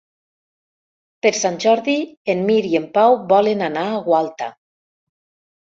Per Sant Jordi en Mirt i en Pau volen anar a Gualta.